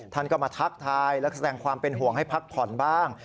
ท่านก็มาทักทายและแสดงความเป็นห่วงให้พักผ่อนบ้าง